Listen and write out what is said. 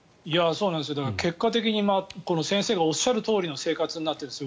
結果的に先生がおっしゃるとおりの生活になっているんです。